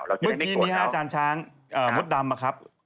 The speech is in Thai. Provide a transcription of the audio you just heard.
เมื่อกี้นี้ฮะอาจารย์ช้างมดดำนะครับ